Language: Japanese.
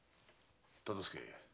忠相